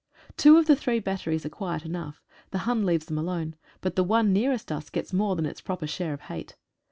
Two of the three batteries are quiet enough. The Hun leaves them alone, but the one nearest us gets more than its proper share of hate.